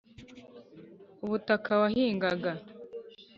ubutaka wahingaga.